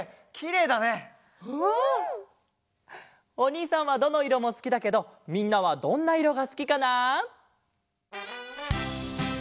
おにいさんはどのいろもすきだけどみんなはどんないろがすきかな？